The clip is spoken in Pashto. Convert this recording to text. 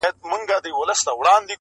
چي راضي راڅخه روح د خوشحال خان سي!!